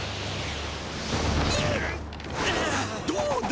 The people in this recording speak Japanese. どうだ